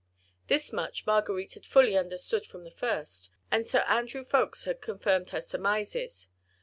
This much Marguerite had fully understood from the first, and Sir Andrew Ffoulkes had confirmed her surmises.